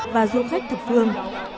và khách thực phương